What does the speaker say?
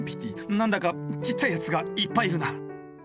なんだかちっちゃいやつがいっぱいいるな。